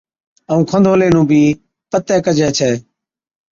ائُون کنڌولي نُون بِي پَتي ڪجي ڇَي